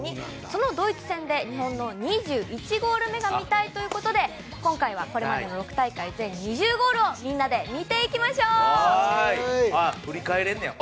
そのドイツ戦で日本の２１ゴール目が見たいということで今回はこれまでの６大会全２０ゴールを振り返れんねや。